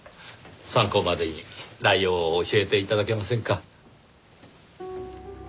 参考までに内容を教えて頂けませんか？